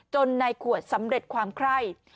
ในขวดสำเร็จความไคร่